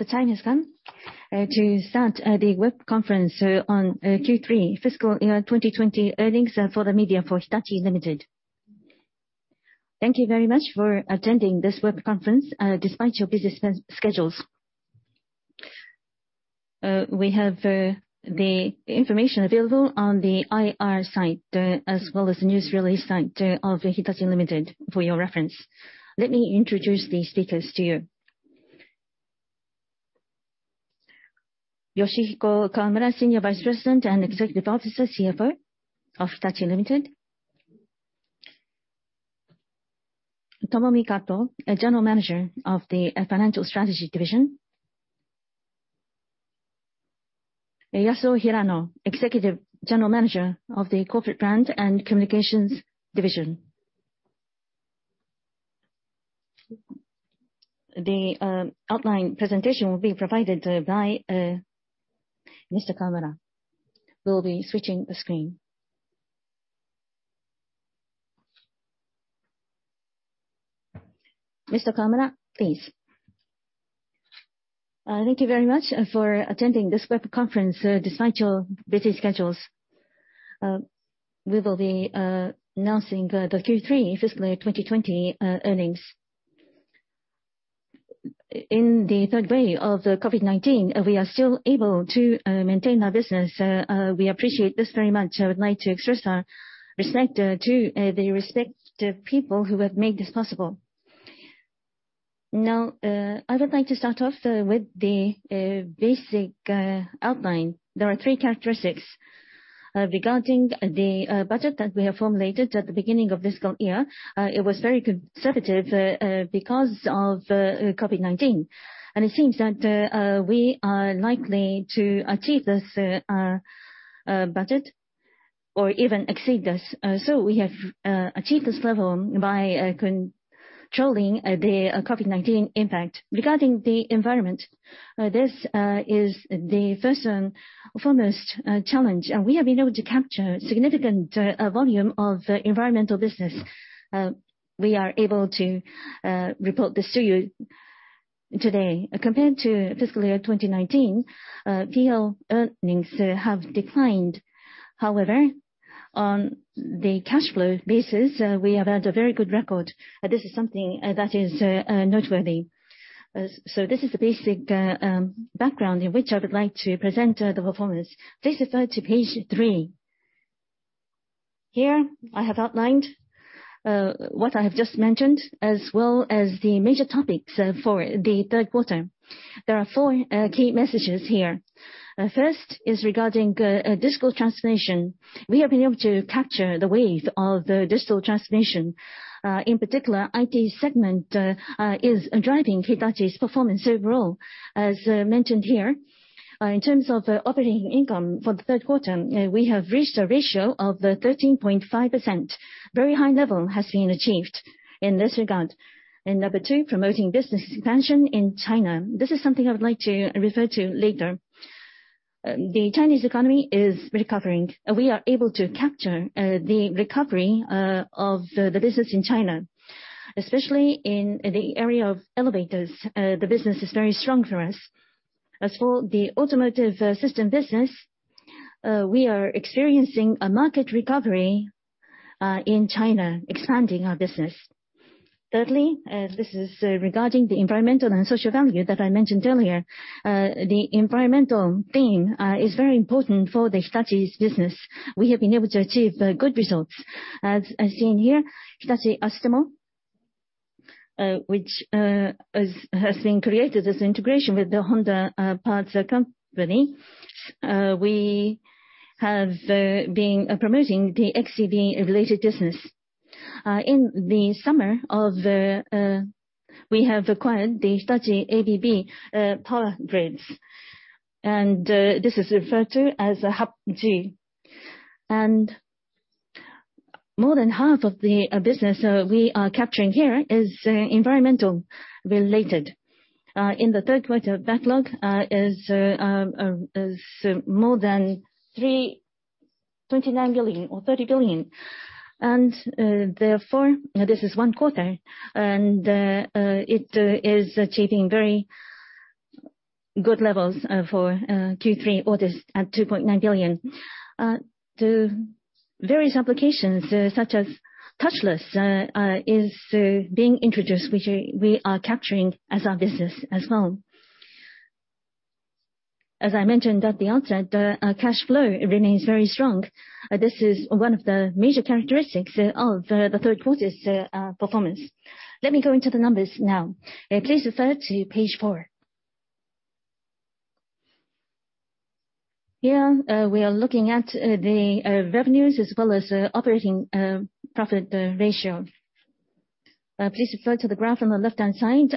The time has come to start the web conference on Q3 fiscal year 2020 earnings for the media for Hitachi, Ltd. Thank you very much for attending this web conference, despite your busy schedules. We have the information available on the IR site, as well as the news release site of Hitachi, Ltd. for your reference. Let me introduce the speakers to you. Yoshihiko Kawamura, Senior Vice President and Executive Officer, CFO of Hitachi, Ltd., Tomomi Kato, General Manager of the Financial Strategy Division, Yasuo Hirano, Executive General Manager of the Corporate Brand & Communications Division. The outline presentation will be provided by Mr. Kawamura. We'll be switching the screen. Mr. Kawamura, please. Thank you very much for attending this web conference, despite your busy schedules. We will be announcing the Q3 fiscal year 2020 earnings. In the third wave of the COVID-19, we are still able to maintain our business. We appreciate this very much. I would like to express our respect to the respective people who have made this possible. I would like to start off with the basic outline. There are three characteristics regarding the budget that we have formulated at the beginning of this fiscal year. It was very conservative because of COVID-19, and it seems that we are likely to achieve this budget or even exceed this. We have achieved this level by controlling the COVID-19 impact. Regarding the environment, this is the first and foremost challenge. We have been able to capture significant volume of environmental business. We are able to report this to you today. Compared to fiscal year 2019, P&L earnings have declined. However, on the cash flow basis, we have had a very good record. This is something that is noteworthy. This is the basic background in which I would like to present the performance. Please refer to page three. Here, I have outlined what I have just mentioned, as well as the major topics for the third quarter. There are four key messages here. First is regarding digital transformation. We have been able to capture the wave of digital transformation. In particular, IT segment is driving Hitachi's performance overall, as mentioned here. In terms of operating income for the third quarter, we have reached a ratio of 13.5%. A very high level has been achieved in this regard. Number two, promoting business expansion in China. This is something I would like to refer to later. The Chinese economy is recovering. We are able to capture the recovery of the business in China, especially in the area of elevators. The business is very strong for us. As for the automotive system business, we are experiencing a market recovery in China, expanding our business. Thirdly, this is regarding the environmental and social value that I mentioned earlier. The environmental theme is very important for Hitachi's business. We have been able to achieve good results. As seen here, Hitachi Astemo, which has been created as an integration with the Honda parts company, we have been promoting the xEV-related business. In the summer, we have acquired the Hitachi ABB Power Grids. This is referred to as HAPG. More than half of the business we are capturing here is environmental related. In the third quarter, backlog is more than 29 billion or 30 billion. This is one quarter. It is achieving very good levels for Q3 orders at 2.9 billion. The various applications, such as touchless, is being introduced, which we are capturing as our business as well. As I mentioned at the onset, cash flow remains very strong. This is one of the major characteristics of the third quarter's performance. Let me go into the numbers now. Please refer to page four. Here, we are looking at the revenues as well as operating profit ratio. Please refer to the graph on the left-hand side.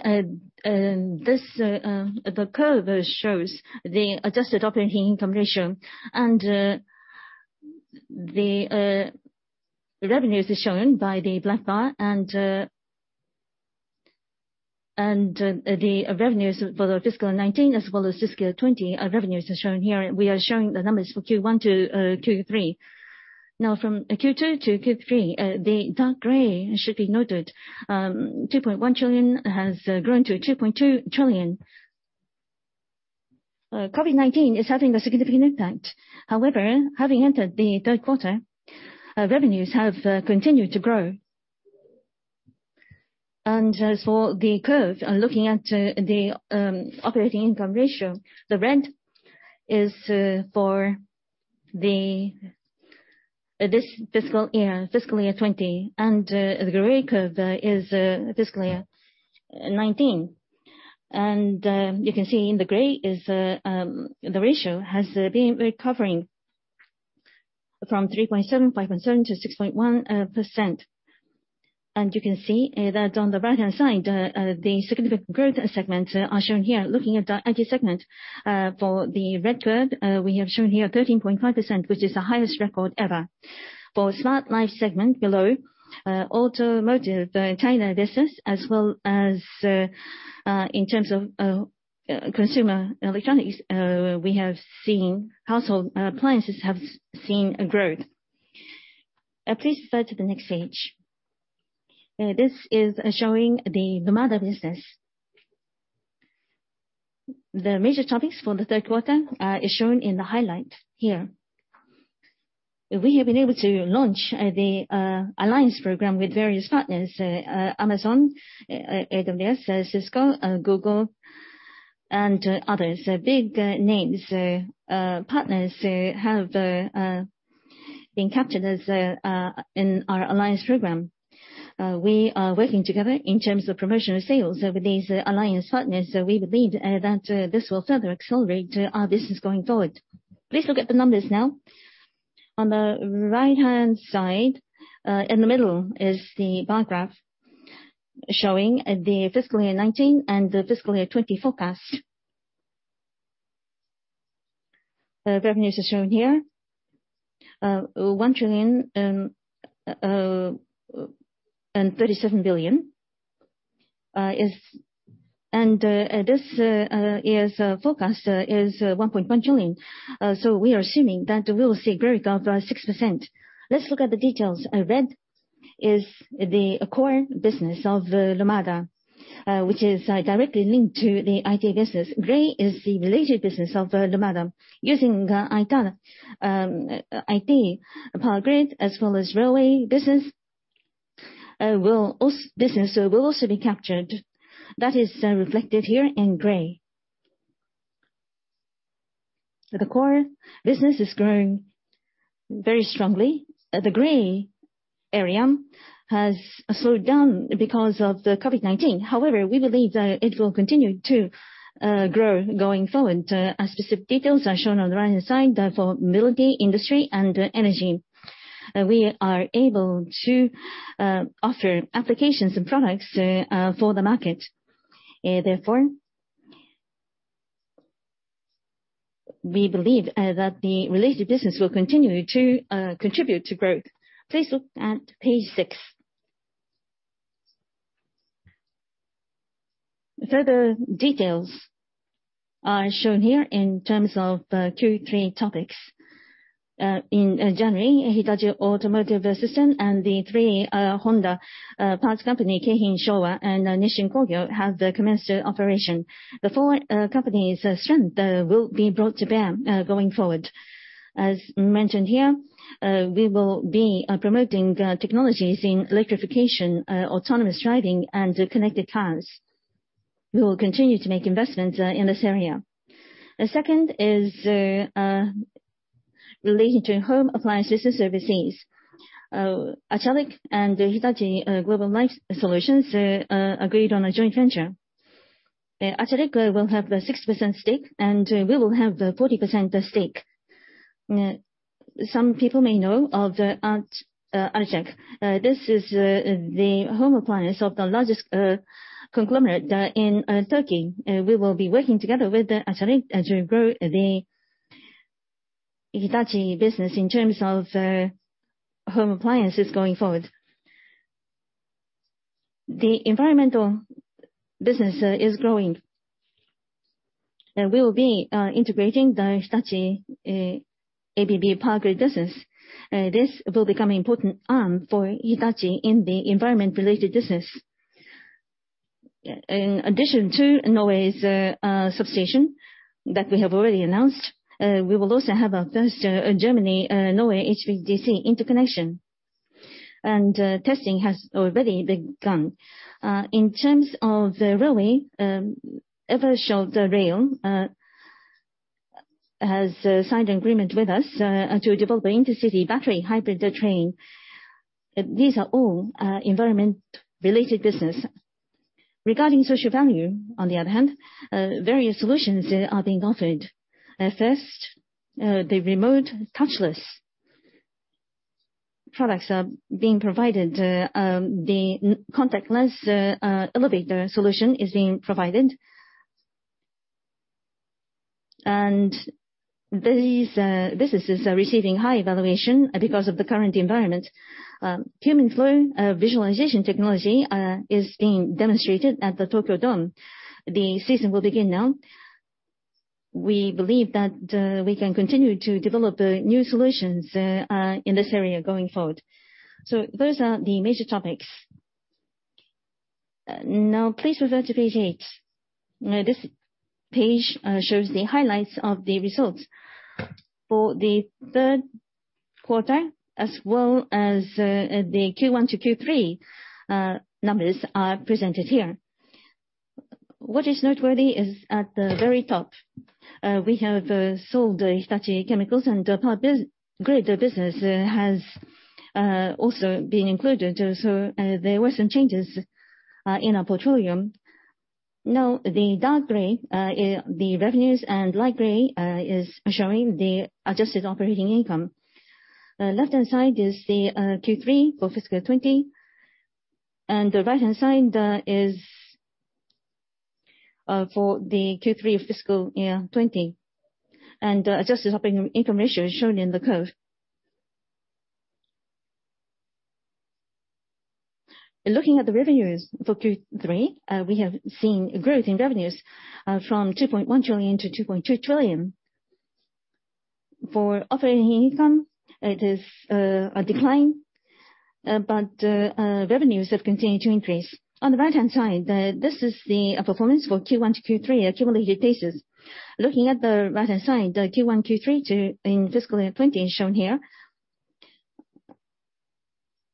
The curve shows the adjusted operating income ratio, and the revenues are shown by the black bar, and the revenues for the fiscal 2019 as well as fiscal 2020 revenues are shown here. We are showing the numbers for Q1 to Q3. From Q2 to Q3, the dark gray should be noted. 2.1 trillion has grown to 2.2 trillion. COVID-19 is having a significant impact. However, having entered the third quarter, revenues have continued to grow. As for the curve, looking at the operating income ratio, the red is for the fiscal year 2020, and the gray curve is fiscal year 2019. You can see in the gray, the ratio has been recovering from 3.7%, 5.7% to 6.1%. You can see that on the right-hand side, the significant growth segments are shown here. Looking at the IT segment, for the red curve, we have shown here 13.5%, which is the highest record ever. For Smart Life segment below, automotive China business as well as in terms of consumer electronics, we have seen household appliances have seen a growth. Please refer to the next page. This is showing the Lumada business. The major topics for the third quarter are shown in the highlight here. We have been able to launch the alliance program with various partners, Amazon, AWS, Cisco, Google, and others. Big names, partners have been captured in our alliance program. We are working together in terms of promotional sales with these alliance partners. We believe that this will further accelerate our business going forward. Please look at the numbers now. On the right-hand side, in the middle is the bar graph showing the fiscal year 2019 and the fiscal year 2020 forecast. The revenues are shown here. 1,037 billion. This year's forecast is 1.1 trillion. We are assuming that we will see a growth of 6%. Let's look at the details. Red is the core business of Lumada, which is directly linked to the IT business. Gray is the related business of Lumada. Using IT, power grid, as well as railway business will also be captured. That is reflected here in gray. The core business is growing very strongly. The gray area has slowed down because of the COVID-19. However, we believe that it will continue to grow going forward. Specific details are shown on the right-hand side for Mobility, Industry, and Energy. We are able to offer applications and products for the market. We believe that the related business will continue to contribute to growth. Please look at page six. Further details are shown here in terms of the Q3 topics. In January, Hitachi Automotive Systems and the three Honda parts company, Keihin, Showa and Nissin Kogyo, have commenced operation. The four companies' strength will be brought to bear going forward. As mentioned here, we will be promoting technologies in electrification, autonomous driving, and connected cars. We will continue to make investments in this area. The second is related to home appliance business overseas. Arçelik and Hitachi Global Life Solutions agreed on a joint venture. Arçelik will have a 6% stake, and we will have a 40% stake. Some people may know of Arçelik. This is the home appliance of the largest conglomerate in Turkey. We will be working together with Arçelik as we grow the Hitachi business in terms of home appliances going forward. The environmental business is growing, and we will be integrating the Hitachi ABB Power Grids business. This will become an important arm for Hitachi in the environment-related business. In addition to Norway's substation that we have already announced, we will also have our first Germany-Norway HVDC interconnection, and testing has already begun. In terms of railway, Eversholt Rail has signed an agreement with us to develop the intercity battery hybrid train. These are all environment-related business. Regarding social value, on the other hand, various solutions are being offered. First, the remote touchless products are being provided. The contactless elevator solution is being provided. This business is receiving high evaluation because of the current environment. Human flow visualization technology is being demonstrated at the Tokyo Dome. The season will begin now. We believe that we can continue to develop new solutions in this area going forward. Those are the major topics. Please refer to page eight. This page shows the highlights of the results for the third quarter, as well as the Q1 to Q3 numbers are presented here. What is noteworthy is at the very top, we have sold Hitachi Chemical. Power Grid business has also been included, so there were some changes in our portfolio. The dark gray, the revenues, and light gray is showing the adjusted operating income. Left-hand side is the Q3 for fiscal 2020, the right-hand side is for the Q3 of fiscal year 2020. Adjusted operating income ratio is shown in the curve. Looking at the revenues for Q3, we have seen growth in revenues from 2.1 trillion to 2.2 trillion. For operating income, it is a decline, revenues have continued to increase. On the right-hand side, this is the performance for Q1 to Q3 accumulated basis. Looking at the right-hand side, the Q1, Q3 in fiscal year 2020 is shown here.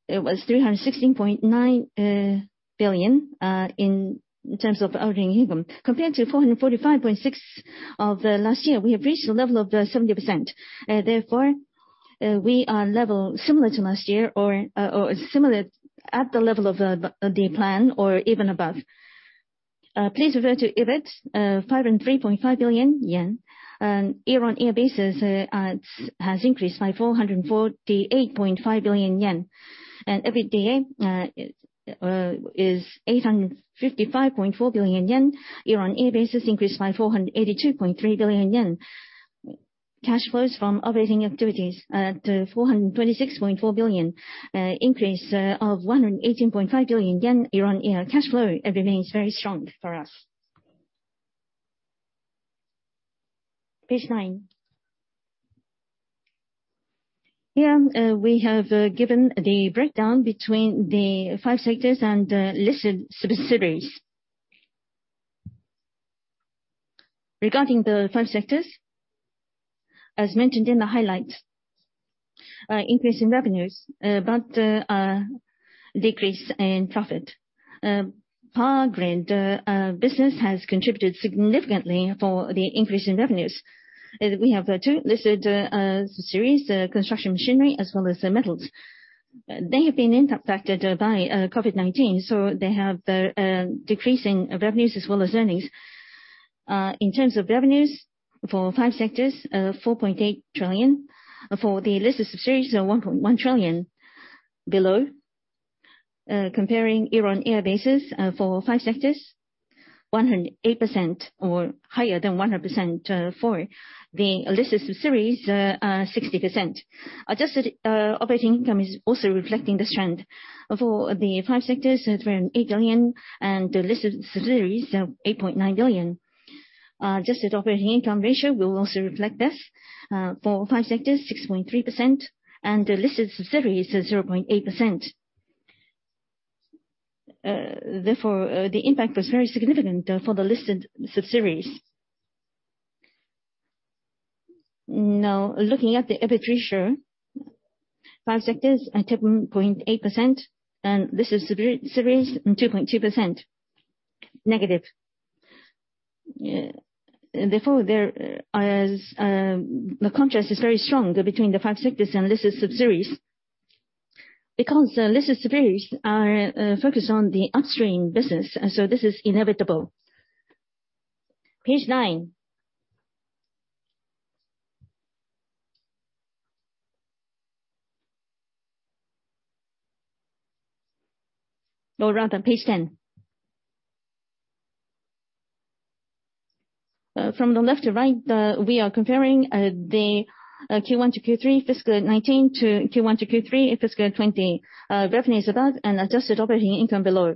It was 316.9 billion in terms of operating income. Compared to 445.6 of last year, we have reached the level of 70%. We are level similar to last year or similar at the level of the plan or even above. Please refer to EBIT, 503.5 billion yen, year-on-year basis has increased by 448.5 billion yen. EBITDA is 855.4 billion yen, year-on-year basis increase by 482.3 billion yen. Cash flows from operating activities to 426.4 billion, increase of 118.5 billion yen year-on-year. Cash flow remains very strong for us. Page nine. Here we have given the breakdown between the five sectors and listed subsidiaries. Regarding the five sectors, as mentioned in the highlights, increase in revenues, but a decrease in profit. Power Grid business has contributed significantly for the increase in revenues. We have two listed subsidiaries, Construction Machinery as well as Metals. They have been impacted by COVID-19, so they have decreasing revenues as well as earnings. In terms of revenues for five sectors, 4.8 trillion. For the listed subsidiaries, 1.1 trillion below. Comparing year-on-year basis for five sectors, 108% or higher than 100% for the listed subsidiaries, 60%. Adjusted operating income is also reflecting this trend. For the five sectors, 308 billion, and the listed subsidiaries, 8.9 billion. Adjusted operating income ratio will also reflect this. For five sectors, 6.3%, and the listed subsidiaries is 0.8%. The impact was very significant for the listed subsidiaries. Looking at the EBIT ratio, five sectors are 10.8%, and listed subsidiaries 2.2%, negative. The contrast is very strong between the five sectors and listed subsidiaries. The listed subsidiaries are focused on the upstream business, this is inevitable. Page nine. No, rather, page 10. From the left to right, we are comparing the Q1 to Q3 fiscal 2019 to Q1 to Q3 fiscal 2020. Revenues above and adjusted operating income below.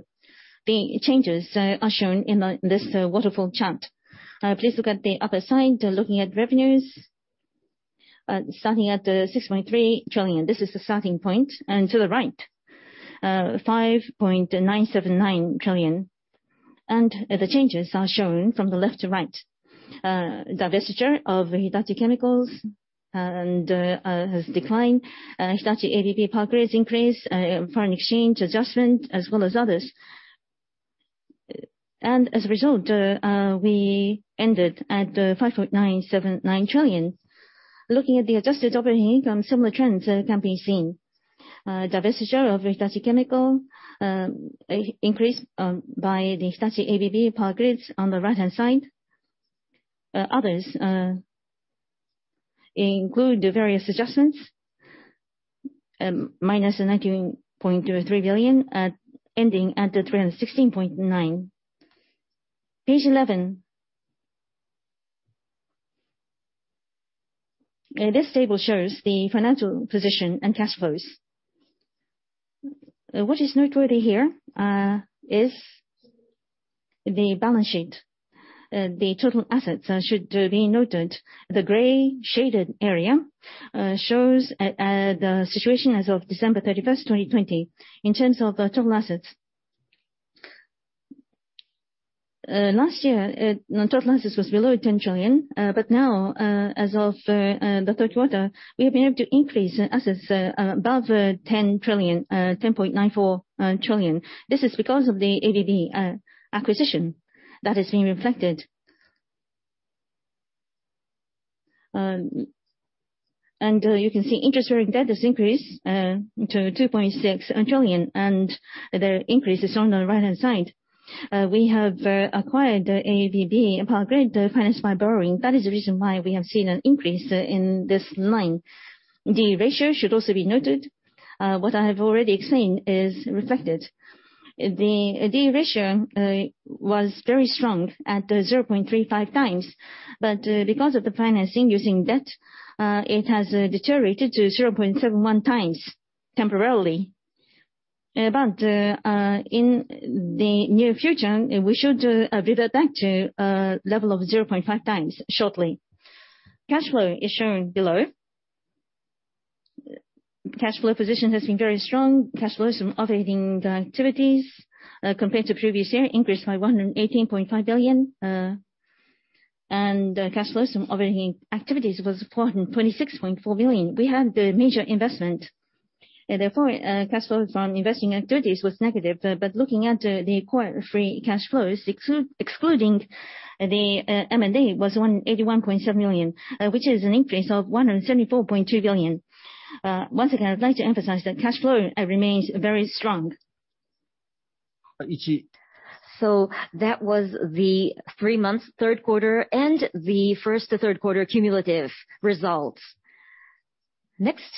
The changes are shown in this waterfall chart. Please look at the upper side, looking at revenues. Starting at 6.3 trillion, this is the starting point, to the right, 5.979 trillion. The changes are shown from the left to right. Divesture of Hitachi Chemical has declined. Hitachi ABB Power Grids increased, foreign exchange adjustment, as well as others. As a result, we ended at 5.979 trillion. Looking at the adjusted operating income, similar trends can be seen. Divesture of Hitachi Chemical, increased by the Hitachi ABB Power Grids on the right-hand side. Others include the various adjustments, -19.23 billion, ending at 316.9 billion. Page 11. This table shows the financial position and cash flows. What is noteworthy here, is the balance sheet. The total assets should be noted. The gray shaded area shows the situation as of December 31st, 2020, in terms of total assets. Last year, total assets was below 10 trillion, now, as of the third quarter, we have been able to increase assets above 10 trillion, 10.94 trillion. This is because of the ABB acquisition that is being reflected. You can see interest-bearing debt has increased to 2.6 trillion, and the increase is on the right-hand side. We have acquired ABB, in part, financed by borrowing. That is the reason why we have seen an increase in this line. The ratio should also be noted. What I have already explained is reflected. The D/E ratio was very strong at 0.35x, but because of the financing using debt, it has deteriorated to 0.71x temporarily. In the near future, we should revert back to a level of 0.5x shortly. Cash flow is shown below. Cash flow position has been very strong. Cash flow from operating activities, compared to previous year, increased by 118.5 billion. Cash flow from operating activities was 426.4 billion. We had a major investment, and therefore, cash flow from investing activities was negative. Looking at the acquired free cash flows, excluding the M&A, was 181.7 billion, which is an increase of 174.2 billion. Once again, I'd like to emphasize that cash flow remains very strong. That was the three-month third quarter and the first to third quarter cumulative results. Next,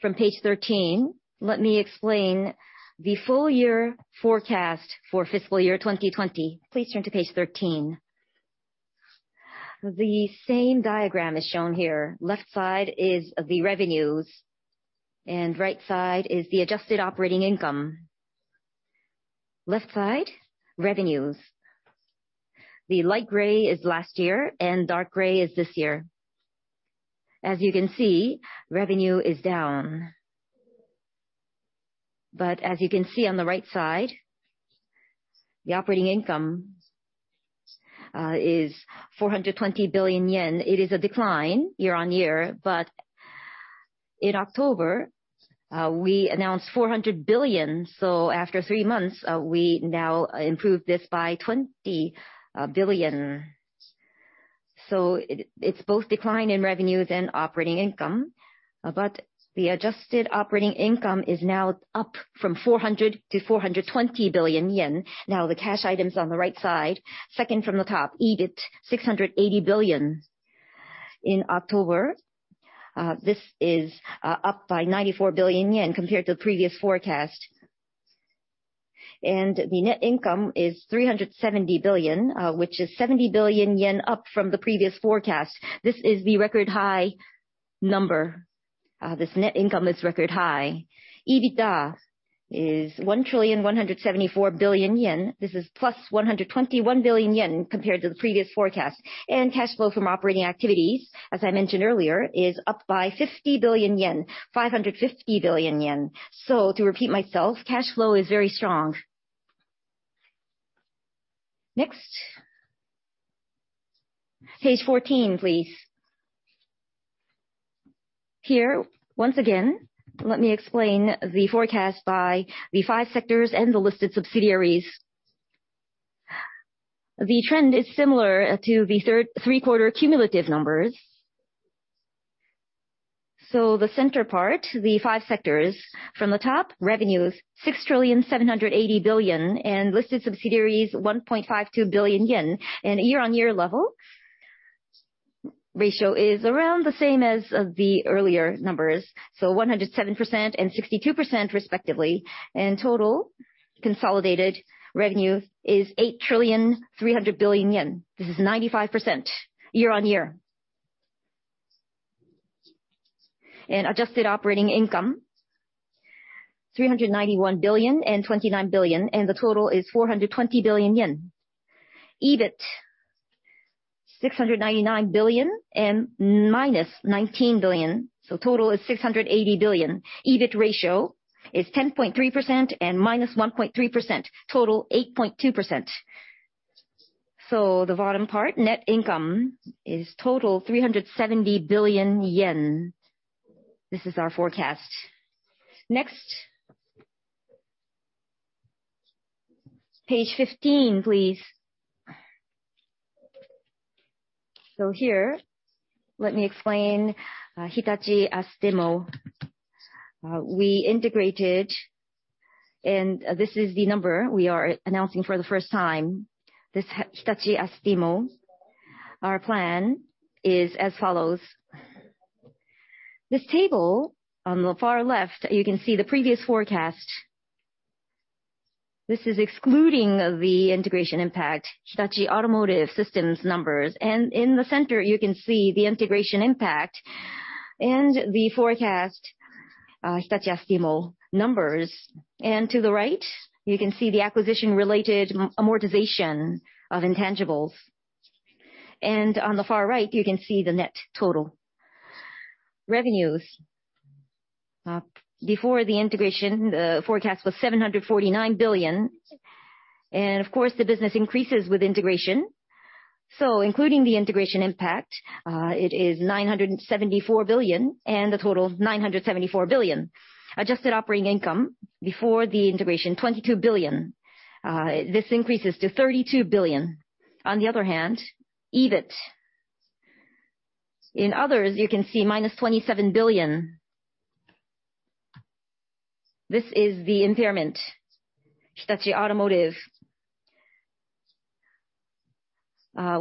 from page 13, let me explain the full year forecast for fiscal year 2020. Please turn to page 13. The same diagram is shown here. Left side is the revenues, and right side is the adjusted operating income. Left side, revenues. The light gray is last year, and dark gray is this year. As you can see, revenue is down. As you can see on the right side, the operating income is 420 billion yen. It is a decline year-on-year. In October, we announced 400 billion. After three months, we now improved this by 20 billion. It's both decline in revenues and operating income. The adjusted operating income is now up from 400 billion to 420 billion yen. Now, the cash items on the right side, second from the top, EBIT, 680 billion in October. This is up by 94 billion yen compared to the previous forecast. The net income is 370 billion, which is 70 billion yen up from the previous forecast. This is the record high number. This net income is record high. EBITDA is 1,174 billion yen. This is +121 billion yen compared to the previous forecast. Cash flow from operating activities, as I mentioned earlier, is up by 50 billion yen, 550 billion yen. To repeat myself, cash flow is very strong. Next, page 14, please. Here, once again, let me explain the forecast by the five sectors and the listed subsidiaries. The trend is similar to the three-quarter cumulative numbers. The center part, the five sectors. From the top, revenues, 6 trillion, 780 billion, and listed subsidiaries, 1.52 billion yen. Year-on-year level ratio is around the same as the earlier numbers, so 107% and 62% respectively. Total consolidated revenue is 8 trillion, 300 billion. This is 95% year-on-year. Adjusted operating income, 391 billion and 29 billion, and the total is 420 billion yen. EBIT, 699 billion and -19 billion, so total is 680 billion. EBIT ratio is 10.3% and -1.3%, total 8.2%. The bottom part, net income is total, 370 billion yen. This is our forecast. Next. Page 15, please. Here, let me explain Hitachi Astemo. We integrated, and this is the number we are announcing for the first time. This Hitachi Astemo, our plan is as follows. This table, on the far left, you can see the previous forecast This is excluding the integration impact, Hitachi Automotive Systems numbers. In the center, you can see the integration impact and the forecast Hitachi Astemo numbers. To the right, you can see the acquisition-related amortization of intangibles. On the far right, you can see the net total. Revenues. Before the integration, the forecast was 749 billion. Of course, the business increases with integration. Including the integration impact, it is 974 billion, and the total, 974 billion. Adjusted operating income before the integration, 22 billion. This increases to 32 billion. On the other hand, EBIT. In others, you can see -27 billion. This is the impairment. Hitachi Automotive.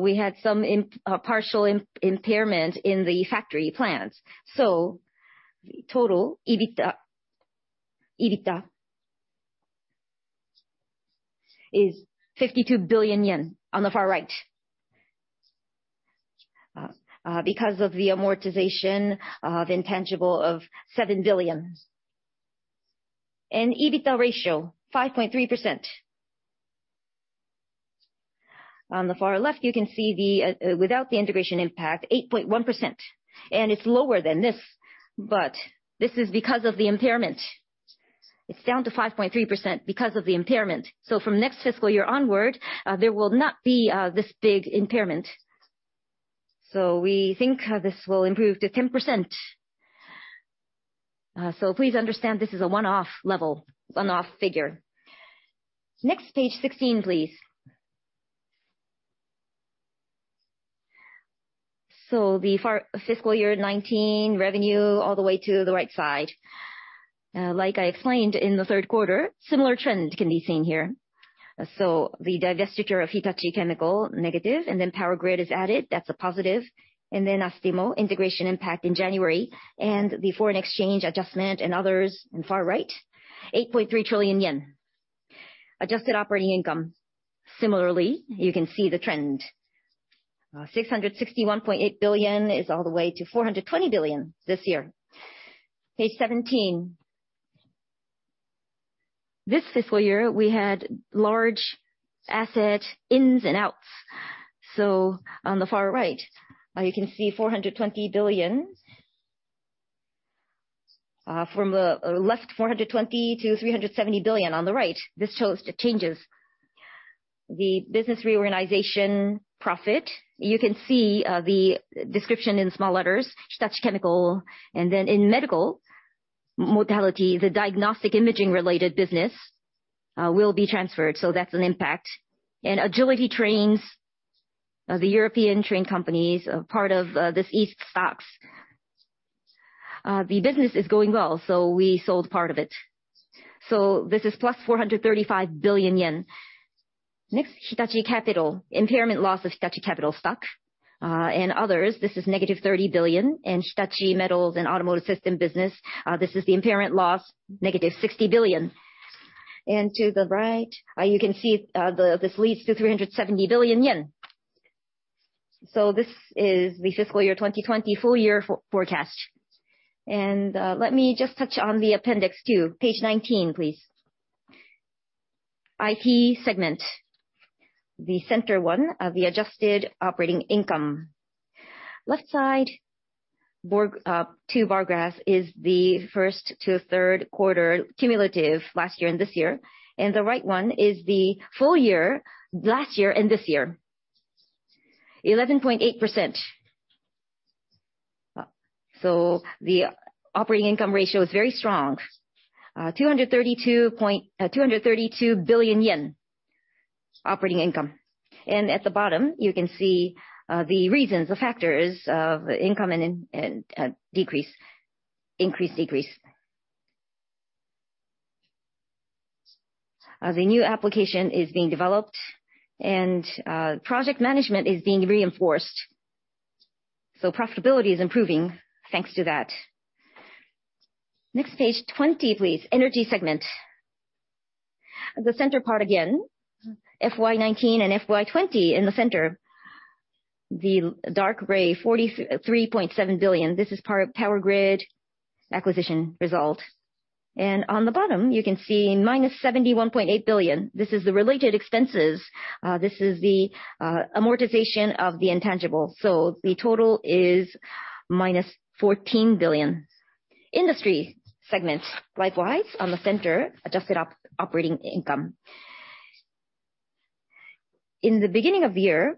We had some partial impairment in the factory plants. The total EBITDA is 52 billion yen on the far right. Because of the amortization of intangible of 7 billion. EBITDA ratio, 5.3%. On the far left, you can see without the integration impact, 8.1%, and it's lower than this. This is because of the impairment. It's down to 5.3% because of the impairment. From next fiscal year onward, there will not be this big impairment. We think this will improve to 10%. Please understand this is a one-off level, one-off figure. Next page 16, please. The fiscal year 2019 revenue all the way to the right side. Like I explained in the third quarter, similar trends can be seen here. The divestiture of Hitachi Chemical, negative, and then Power Grid is added, that's a positive. Astemo integration impact in January, and the foreign exchange adjustment and others in far right, 8.3 trillion yen. Adjusted operating income. Similarly, you can see the trend. 661.8 billion is all the way to 420 billion this year. Page 17. This fiscal year, we had large asset ins and outs. On the far right, you can see 420 billion. From the left, 420 billion to 370 billion on the right. This shows the changes. The business reorganization profit, you can see the description in small letters, Hitachi Chemical. Then in medical, modality, the diagnostic imaging-related business will be transferred, so that's an impact. Agility Trains, the European train companies, part of this East stocks. The business is going well, so we sold part of it. This is plus 435 billion yen. Next, Hitachi Capital. Impairment loss of Hitachi Capital stock and others. This is -30 billion. Hitachi Metals and automotive system business, this is the impairment loss, -60 billion. To the right, you can see this leads to 370 billion yen. This is the fiscal year 2020 full year forecast. Let me just touch on the Appendix 2, page 19, please. IT segment. The center one, the adjusted operating income. Left side, two bar graphs is the first to third quarter cumulative last year and this year. The right one is the full year, last year and this year. 11.8%. The operating income ratio is very strong. 232 billion yen operating income. At the bottom, you can see the reasons, the factors of income and decrease. Increase, decrease. The new application is being developed, and project management is being reinforced. Profitability is improving thanks to that. Next page 20, please. Energy segment. The center part again, FY 2019 and FY 2020 in the center. The dark gray, 43.7 billion, this is Power Grid acquisition result. On the bottom, you can see -71.8 billion. This is the related expenses. This is the amortization of the intangible. The total is -14 billion. Industry segment. Likewise, on the center, adjusted operating income. In the beginning of the year,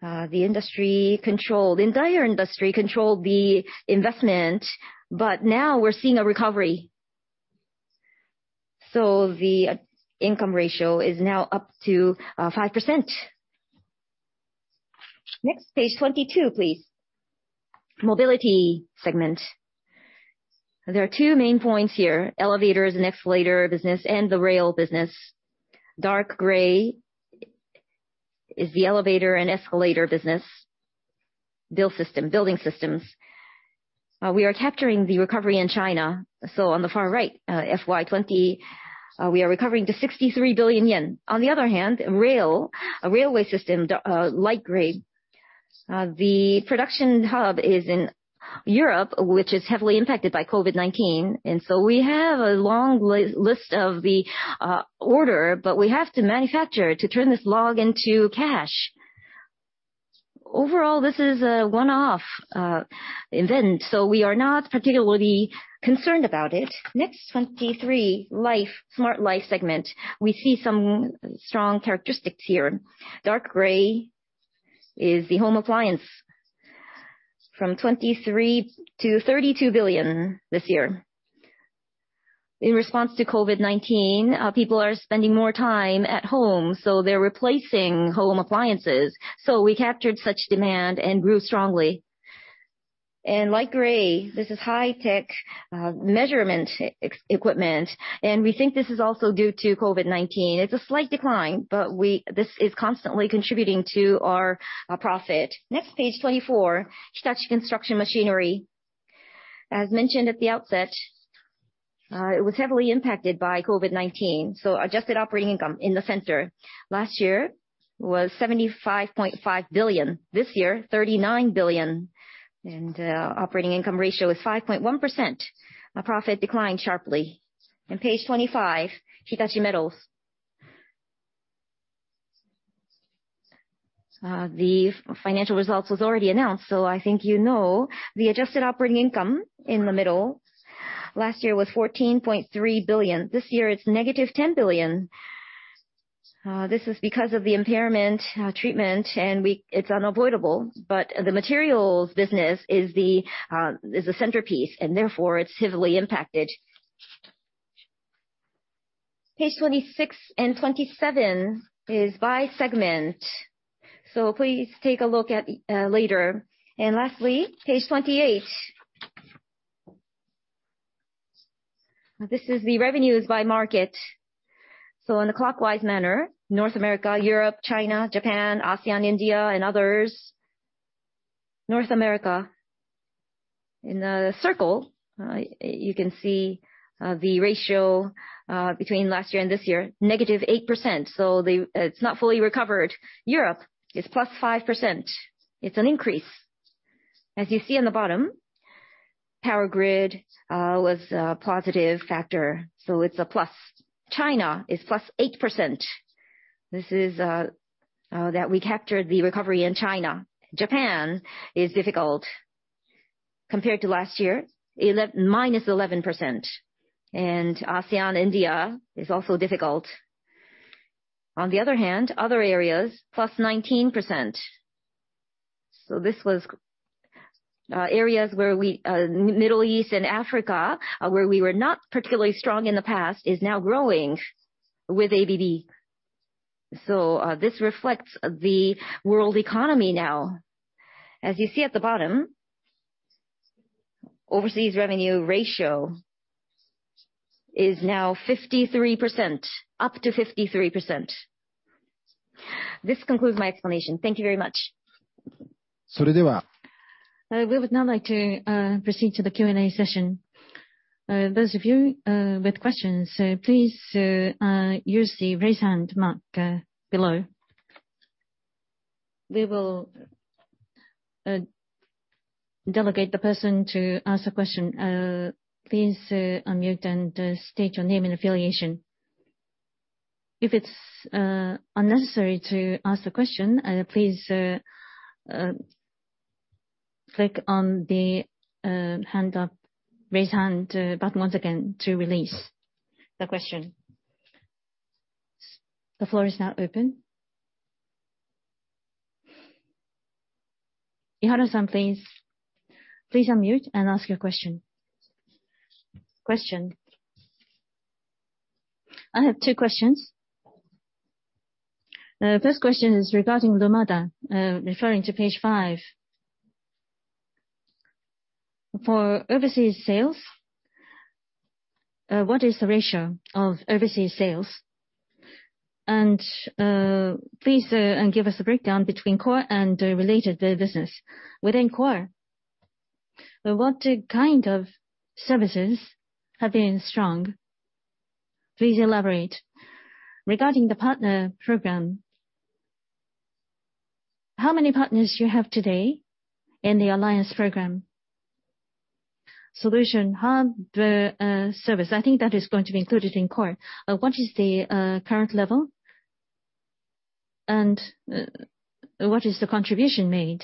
the entire industry controlled the investment, but now we're seeing a recovery. The income ratio is now up to 5%. Next, page 22, please. Mobility segment. There are two main points here, elevators and escalator business and the rail business. Dark gray is the elevator and escalator business, building systems. We are capturing the recovery in China. On the far right, FY 2020, we are recovering to 63 billion yen. On the other hand, railway system, light gray. The production hub is in Europe, which is heavily impacted by COVID-19, and so we have a long list of the order, but we have to manufacture to turn this log into cash. Overall, this is a one-off event, so we are not particularly concerned about it. Page 23, Smart Life segment. We see some strong characteristics here. Dark gray is the home appliance. From 23 billion to 32 billion this year. In response to COVID-19, people are spending more time at home, they're replacing home appliances. We captured such demand and grew strongly. Light gray, this is high-tech measurement equipment, and we think this is also due to COVID-19. It's a slight decline, this is constantly contributing to our profit. Page 24, Hitachi Construction Machinery. As mentioned at the outset, it was heavily impacted by COVID-19, adjusted operating income in the center last year was 75.5 billion. This year, 39 billion, operating income ratio is 5.1%. Profit declined sharply. Page 25, Hitachi Metals. The financial results was already announced, I think you know the adjusted operating income in the middle last year was 14.3 billion. This year, it's -10 billion. This is because of the impairment treatment, it's unavoidable, but the materials business is the centerpiece, therefore, it's heavily impacted. Page 26 and 27 is by segment, please take a look at it later. Lastly, page 28. This is the revenues by market. In a clockwise manner, North America, Europe, China, Japan, ASEAN, India, and others. North America, in the circle, you can see the ratio between last year and this year, -8%, it's not fully recovered. Europe is +5%. It's an increase. As you see on the bottom, Power Grid was a positive factor, it's a plus. China is +8%. This is that we captured the recovery in China. Japan is difficult. Compared to last year, -11%. ASEAN, India is also difficult. On the other hand, other areas, +19%. This was areas, Middle East and Africa, where we were not particularly strong in the past, is now growing with ABB. This reflects the world economy now. As you see at the bottom, overseas revenue ratio is now up to 53%. This concludes my explanation. Thank you very much. We would now like to proceed to the Q&A session. Those of you with questions, please use the raise hand mark below. We will delegate the person to ask the question. Please unmute and state your name and affiliation. If it's unnecessary to ask the question, please click on the Raise Hand button once again to release the question. The floor is now open. Ihara, please unmute and ask your question. I have two questions. The first question is regarding Lumada, referring to page five. For overseas sales, what is the ratio of overseas sales? Please give us a breakdown between core and related business. Within core, what kind of services have been strong? Please elaborate. Regarding the partner program, how many partners you have today in the alliance program? Solution, hardware, service, I think that is going to be included in core. What is the current level, and what is the contribution made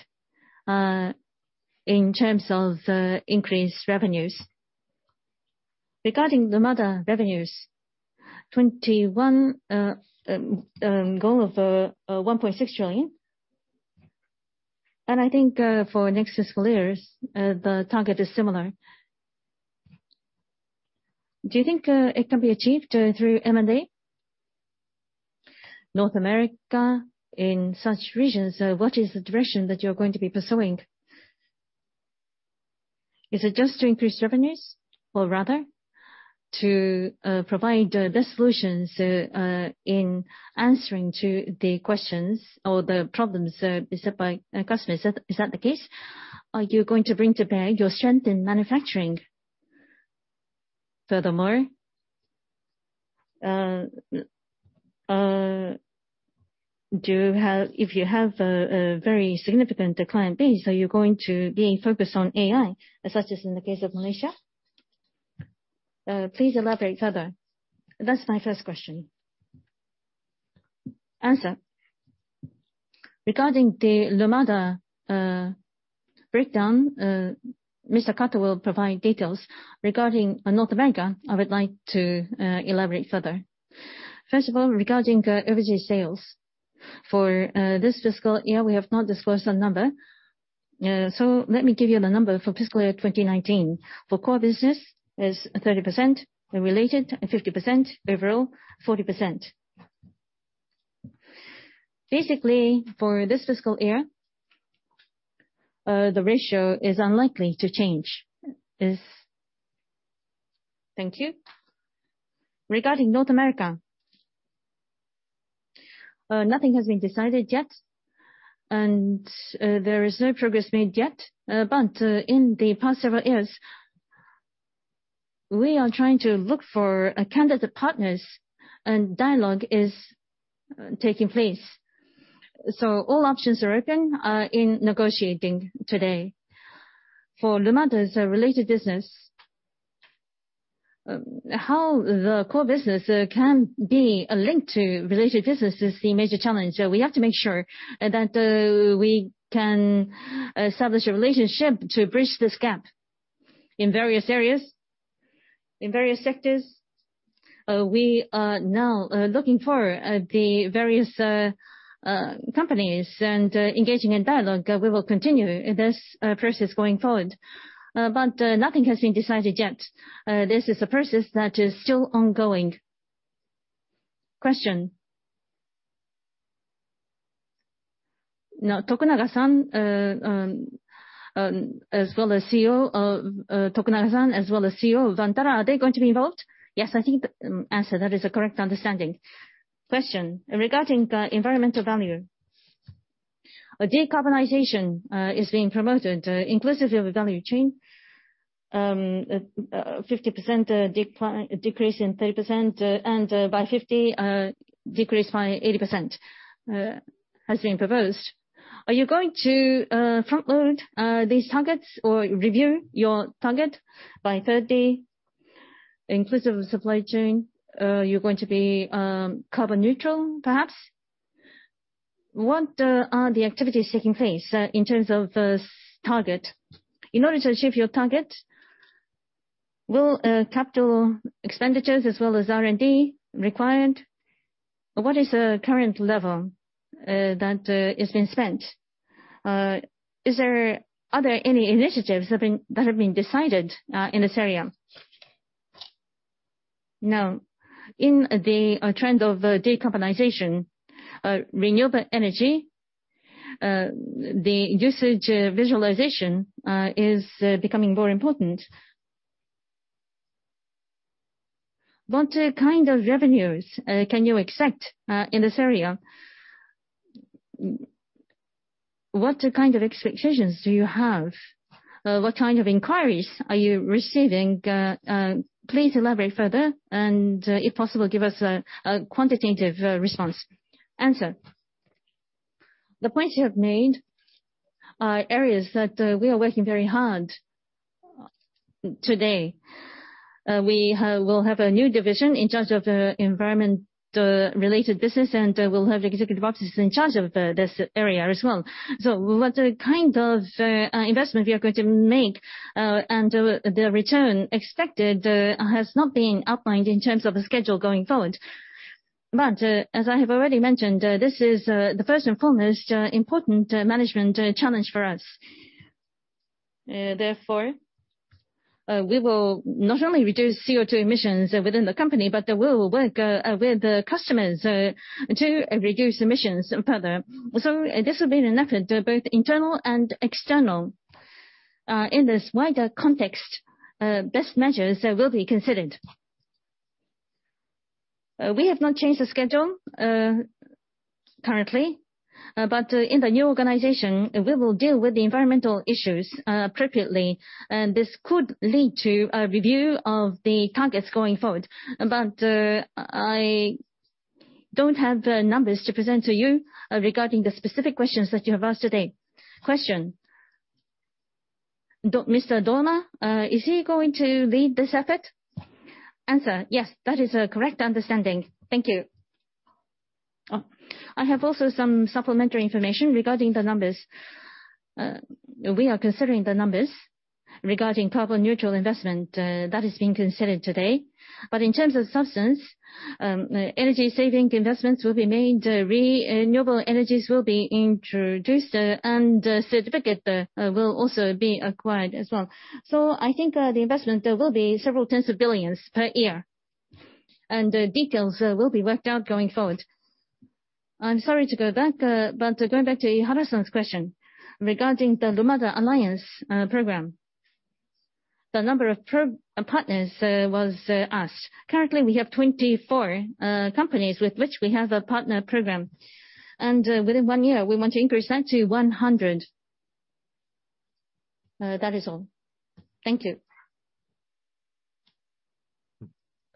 in terms of increased revenues? Regarding Lumada revenues, 2021 goal of 1.6 trillion. I think for next fiscal years, the target is similar. Do you think it can be achieved through M&A? In North America, in such regions, what is the direction that you're going to be pursuing? Is it just to increase revenues, or rather to provide the best solutions in answering to the questions or the problems set by customers? Is that the case? Are you going to bring to bear your strength in manufacturing furthermore? If you have a very significant client base, are you going to be focused on AI, such as in the case of Malaysia? Please elaborate further. That's my first question. Answer. Regarding the Lumada breakdown, Mr. Kato will provide details. Regarding North America, I would like to elaborate further. First of all, regarding the original sales for this fiscal year, we have not disclosed a number. Let me give you the number for fiscal year 2019. For core business is 30%, related 50%, overall 40%. For this fiscal year, the ratio is unlikely to change this. Thank you. Regarding North America, nothing has been decided yet, and there is no progress made yet. In the past several years, we are trying to look for candidate partners, and dialogue is taking place. All options are open in negotiating today. For Lumada's related business, how the core business can be a link to related business is the major challenge. We have to make sure that we can establish a relationship to bridge this gap in various areas, in various sectors. We are now looking for the various companies and engaging in dialogue. We will continue this process going forward. Nothing has been decided yet. This is a process that is still ongoing. Question. Tokunaga, as well as CEO of Vantara, are they going to be involved? Yes, I think that is a correct understanding. Question. Regarding the environmental value. Decarbonization is being promoted inclusive of the value chain. 50% decrease in 2030, and by 2050, decrease by 80% has been proposed. Are you going to front-load these targets or review your target by 2030 inclusive of supply chain? Are you going to be carbon neutral, perhaps? What are the activities taking place in terms of this target? In order to achieve your target, will capital expenditures as well as R&D required? What is the current level that is being spent? Are there any initiatives that have been decided in this area? In the trend of decarbonization, renewable energy, the usage visualization is becoming more important. What kind of revenues can you expect in this area? What kind of expectations do you have? What kind of inquiries are you receiving? Please elaborate further, and if possible, give us a quantitative response. Answer. The points you have made are areas that we are working very hard today. We will have a new division in charge of the environment-related business, and we'll have the executive officers in charge of this area as well. What kind of investment we are going to make and the return expected has not been outlined in terms of the schedule going forward. As I have already mentioned, this is the first and foremost important management challenge for us. We will not only reduce CO2 emissions within the company, but we will work with the customers to reduce emissions further. This will be an effort, both internal and external. In this wider context, best measures will be considered. We have not changed the schedule currently, but in the new organization, we will deal with the environmental issues appropriately, and this could lead to a review of the targets going forward. I don't have the numbers to present to you regarding the specific questions that you have asked today. Question. Mr. Dormer, is he going to lead this effort? Answer. Yes, that is a correct understanding. Thank you. I have also some supplementary information regarding the numbers. We are considering the numbers regarding carbon neutral investment. That is being considered today. In terms of substance, energy saving investments will be made, renewable energies will be introduced, and certificate will also be acquired as well. I think the investment there will be several tens of billions per year, and the details will be worked out going forward. I'm sorry to go back, but going back to Ihara's question regarding the Lumada Alliance Program. The number of partners was asked. Currently, we have 24 companies with which we have a partner program, and within one year, we want to increase that to 100. That is all. Thank you.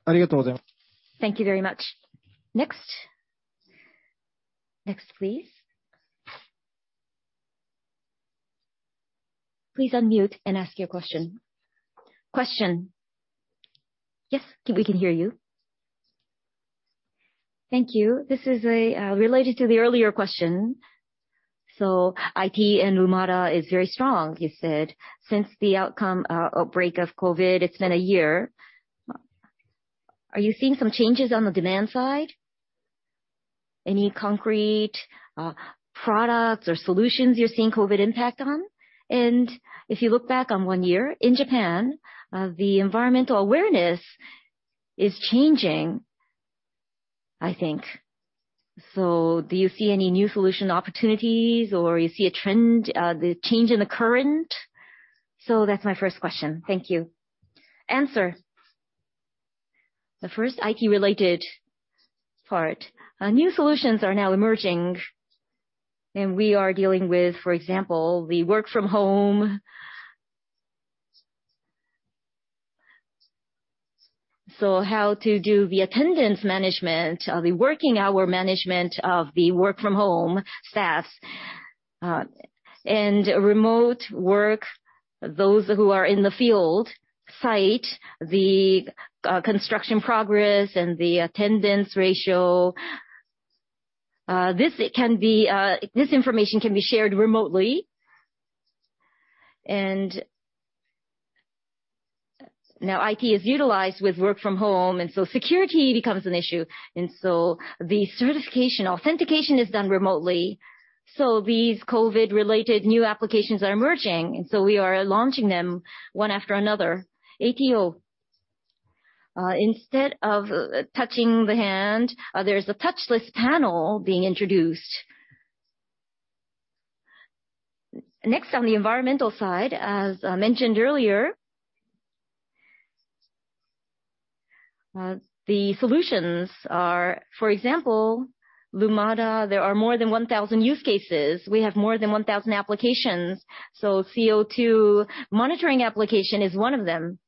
Thank you very much. Next. Next, please. Please unmute and ask your question. Question. Yes, we can hear you. Thank you. This is related to the earlier question. IT and Lumada is very strong, you said. Since the outbreak of COVID, it's been a year. Are you seeing some changes on the demand side? Any concrete products or solutions you're seeing COVID impact on? If you look back on one year, in Japan, the environmental awareness is changing, I think. Do you see any new solution opportunities or you see a trend, the change in the current? That's my first question. Thank you. Answer. The first IT related part, new solutions are now emerging and we are dealing with, for example, the work from home. How to do the attendance management, the working hour management of the work from home staffs. Remote work, those who are in the field site, the construction progress and the attendance ratio, this information can be shared remotely. Now IT is utilized with work from home, security becomes an issue. The certification authentication is done remotely. These COVID related new applications are emerging, we are launching them one after another. ATO, instead of touching the hand, there's a touchless panel being introduced. Next on the environmental side, as mentioned earlier the solutions are, for example, Lumada, there are more than 1,000 use cases. We have more than 1,000 applications. CO2 monitoring application is one of them.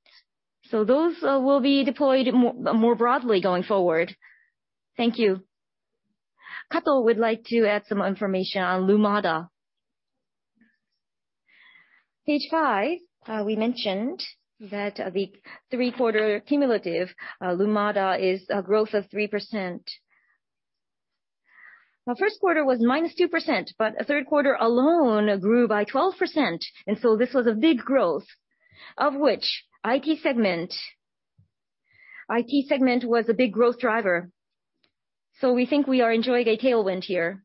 Those will be deployed more broadly going forward. Thank you. Kato would like to add some information on Lumada. Page five, we mentioned that the three quarter cumulative Lumada is a growth of 3%. First quarter was -2%, but third quarter alone grew by 12%. This was a big growth, of which IT segment was a big growth driver. We think we are enjoying a tailwind here.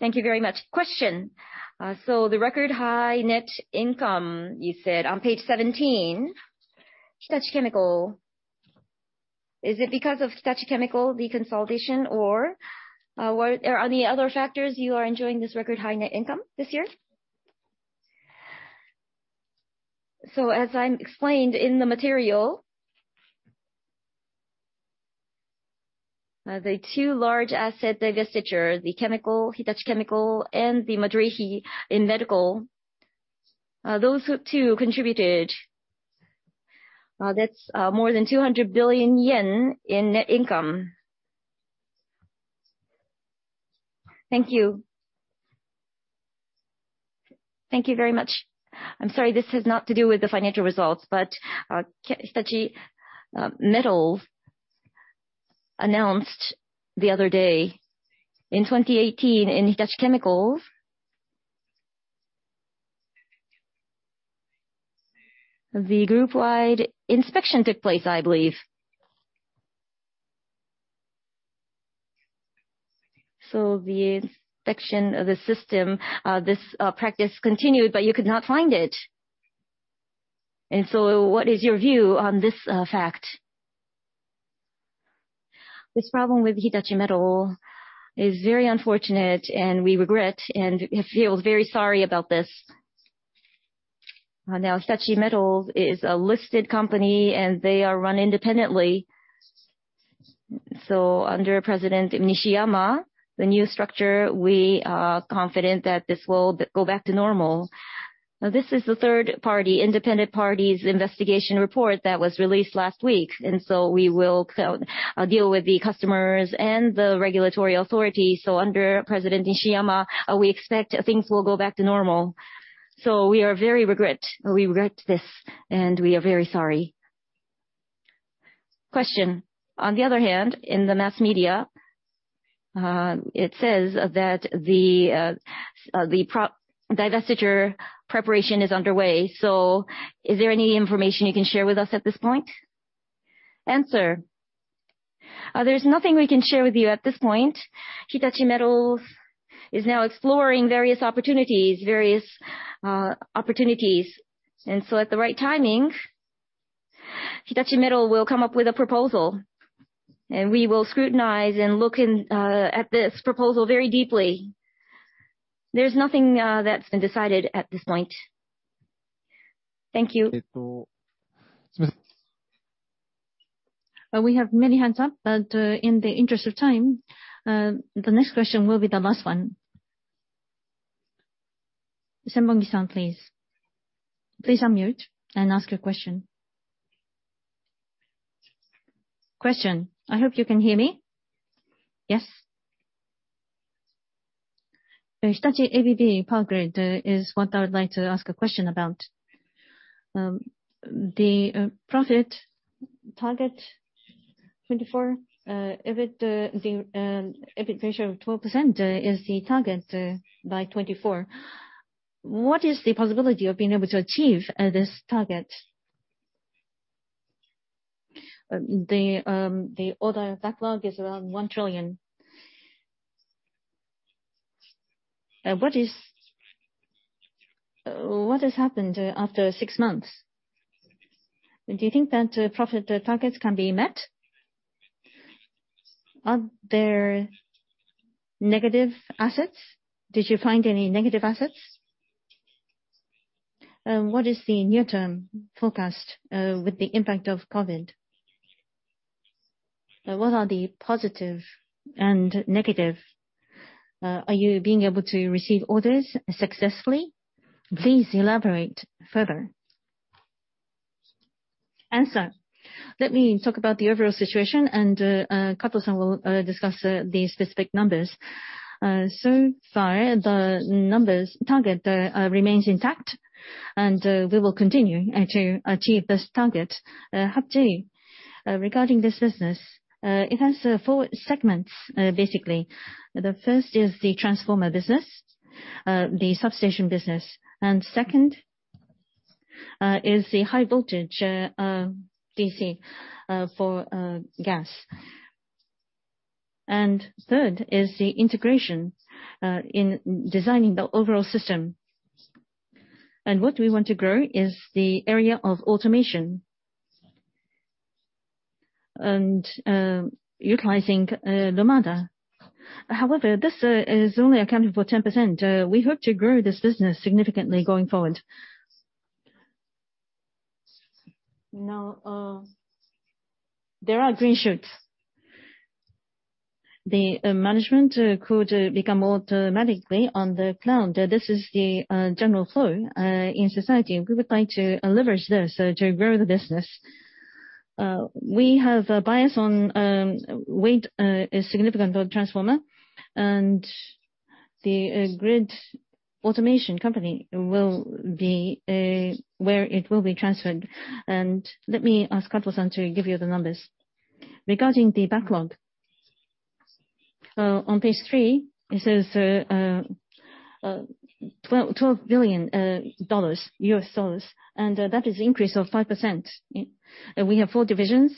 Thank you very much. Question. The record high net income, you said on page 17, Hitachi Chemical, is it because of Hitachi Chemical deconsolidation or are there any other factors you are enjoying this record high net income this year? As I explained in the material, the two large asset divestiture, the chemical, Hitachi Chemical, and the [Machinery and Metal], those two contributed. That's more than 200 billion yen in net income. Thank you. Thank you very much. I'm sorry, this is not to do with the financial results, Hitachi Metals announced the other day, in 2018, in Hitachi Chemical, the group-wide inspection took place, I believe. The inspection of the system, this practice continued, you could not find it. What is your view on this fact? This problem with Hitachi Metals is very unfortunate, and we regret and feel very sorry about this. Now, Hitachi Metals is a listed company, and they are run independently. Under President Nishiyama, the new structure, we are confident that this will go back to normal. This is the third party, independent party's investigation report that was released last week, and so we will deal with the customers and the regulatory authority. Under President Nishiyama, we expect things will go back to normal. We are very regret. We regret this, and we are very sorry. Question. On the other hand, in the mass media, it says that the divestiture preparation is underway. Is there any information you can share with us at this point? Answer. There's nothing we can share with you at this point. Hitachi Metals is now exploring various opportunities. At the right timing, Hitachi Metals will come up with a proposal, and we will scrutinize and look at this proposal very deeply. There is nothing that has been decided at this point. Thank you. We have many hands up, but in the interest of time, the next question will be the last one. [Senbongi], please. Please unmute and ask your question. Question. I hope you can hear me. Yes. Hitachi ABB Power Grids is what I would like to ask a question about. The profit target 2024, EBIT ratio of 12% is the target by 2024. What is the possibility of being able to achieve this target? The order backlog is around 1 trillion. What has happened after six months? Do you think that profit targets can be met? Are there negative assets? Did you find any negative assets? What is the near-term forecast with the impact of COVID? What are the positive and negative? Are you being able to receive orders successfully? Please elaborate further. Answer. Let me talk about the overall situation, and Kato will discuss the specific numbers. So far, the numbers target remains intact, and we will continue to achieve this target. Actually, regarding this business, it has four segments, basically. The first is the transformer business, the substation business. Second is the High-Voltage DC for gas. Third is the integration in designing the overall system. What we want to grow is the area of automation and utilizing Lumada. However, this is only accounting for 10%. We hope to grow this business significantly going forward. Now, there are green shoots. The management could become more automatically on the cloud. This is the general flow in society, and we would like to leverage this to grow the business. We have a bias on weight, a significant transformer, and the grid automation company will be where it will be transferred. Let me ask Kato to give you the numbers. Regarding the backlog, on page three, it says $12 billion. That is increase of 5%. We have four divisions.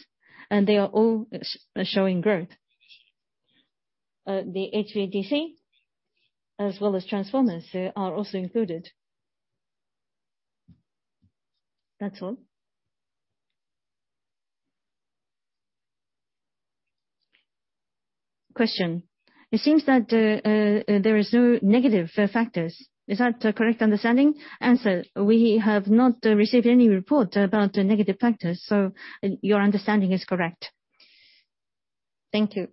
They are all showing growth. The HVDC as well as transformers are also included. That's all. Question. It seems that there is no negative factors. Is that a correct understanding? Answer. We have not received any report about the negative factors. Your understanding is correct. Thank you.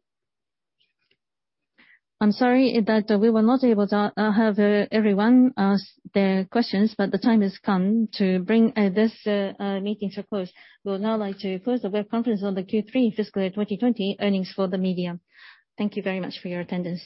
I'm sorry that we were not able to have everyone ask their questions. The time has come to bring this meeting to close. We would now like to close the web conference on the Q3 fiscal year 2020 earnings for the media. Thank you very much for your attendance.